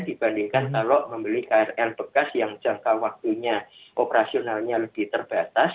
dibandingkan kalau membeli krl bekas yang jangka waktunya operasionalnya lebih terbatas